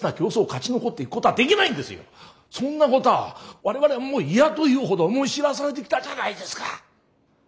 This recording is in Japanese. そんなことは我々はもう嫌というほど思い知らされてきたじゃないですか。